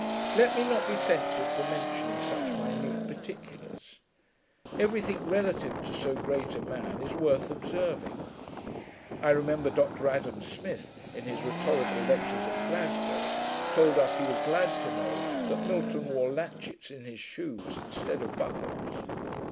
Let me not be censured for mentioning such minute particulars. Every thing relative to so great a man is worth observing. I remember Dr Adam Smith, in his rhetorical lectures at Glasgow, told us he was glad to know that Milton wore latchets in his shoes, instead of buckles.